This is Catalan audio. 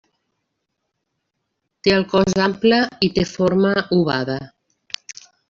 Té el cos ample i té forma ovada.